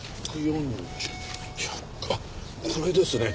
あっこれですね。